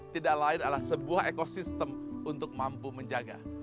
tidak lain adalah sebuah ekosistem untuk mampu menjaga